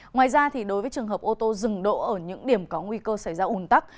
ngoài ra đối với trường hợp ô tô dừng đỗ ở những điểm có nguy cơ xảy ra ủn tắc